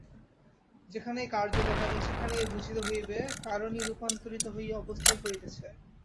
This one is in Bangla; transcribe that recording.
যেখানেই কার্য দেখা যায়, সেখানেই বুঝিতে হইবে কারণই রূপান্তরিত হইয়া অবস্থান করিতেছে।